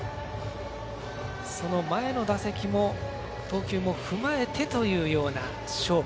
その前の打席の投球も踏まえてというような勝負。